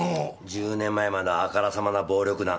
十年前まではあからさまな暴力団。